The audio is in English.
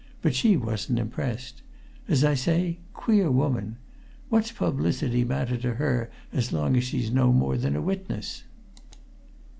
But she wasn't impressed. As I say queer woman! What's publicity matter to her as long as she's no more than a witness?"